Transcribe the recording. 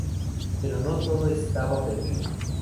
Pero no todo estaba perdido.